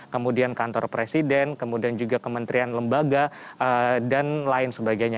kemudian kantor presiden kemudian juga kementerian lembaga dan lain sebagainya